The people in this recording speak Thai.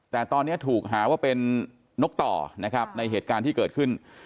แต่ตอนนี้ถูกหาว่าเป็นนกต่อนะครับในเหตุการณ์ที่เกิดขึ้น